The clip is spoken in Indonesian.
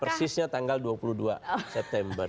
persisnya tanggal dua puluh dua september